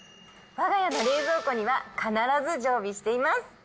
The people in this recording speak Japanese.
わが家の冷蔵庫には必ず常備しています。